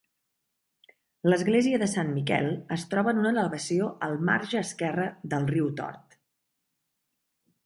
L'església de Sant Miquel es troba en una elevació al marge esquerre del riu Tort.